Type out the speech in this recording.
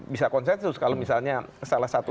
bisa konsensus kalau misalnya salah satu